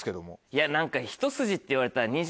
いや何か。